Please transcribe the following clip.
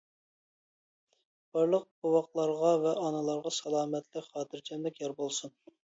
بارلىق بوۋاقلارغا ۋە ئانىلارغا سالامەتلىك، خاتىرجەملىك يار بولسۇن.